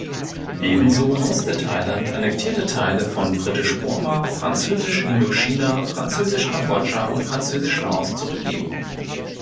Ebenso musste Thailand annektierte Teile von Britisch-Burma, Französisch-Indochina, Französisch-Kambodscha und Französisch-Laos zurückgeben.